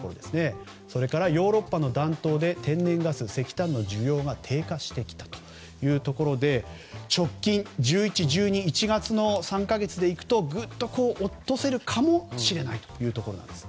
それから、ヨーロッパの暖冬で天然ガスや石炭の需要が低下してきたというところで直近１１、１２、１月の３か月で行くとぐっと落とせるかもしれないというところです。